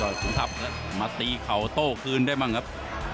สุนทัพมาตีเข่าโต้คืนได้บ้างครับ